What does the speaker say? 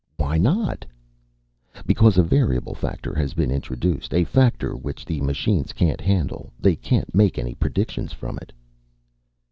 "Why not?" "Because a variable factor has been introduced. A factor which the machines can't handle. They can't make any predictions from it."